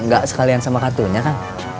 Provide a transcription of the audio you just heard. gak sekalian sama kartunya kan